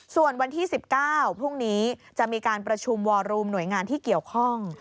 ส่วนวันที่๑๙พรุ่งนี้จะมีการประชุมวอรูมหน่วยงานที่เกี่ยวข้อง